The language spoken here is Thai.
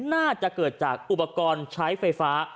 น่าจะเกิดจากอุปกรณ์ใช้ไฟฟ้า